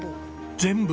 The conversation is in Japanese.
全部？